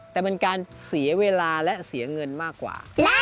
แต่มันการเสียเวลาและเสียเงินมากกว่า